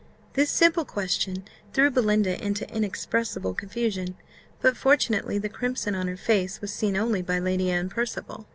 This simple question threw Belinda into inexpressible confusion: but fortunately the crimson on her face was seen only by Lady Anne Percival.